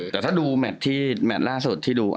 แต่ถ้าดูแมตรล่าสุด